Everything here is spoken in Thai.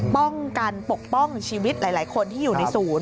ป้องกันปกป้องชีวิตหลายคนที่อยู่ในศูนย์